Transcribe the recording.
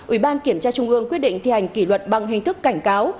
ủy ban kiểm tra trung ương quyết định thi hành kỷ luật bằng hình thức cảnh cáo